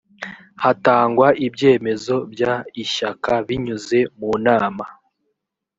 hatangwa ibyemezo by ishyaka binyuze mu nama